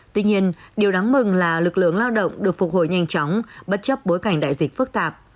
tuy nhiên điều đáng mừng là lực lượng lao động được phục hồi nhanh chóng bất chấp bối cảnh đại dịch phức tạp